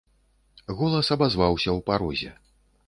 Голас абазваўся ў парозе.